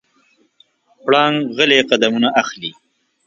پړانګ غلی قدمونه اخلي.